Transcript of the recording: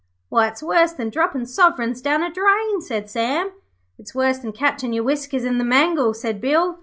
'Why, it's worse than droppin' soverins down a drain,' said Sam. 'It's worse than catchin' your whiskers in the mangle,' said Bill.